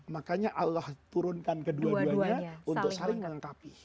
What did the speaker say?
makanya allah turunkan kedua duanya untuk saling melengkapi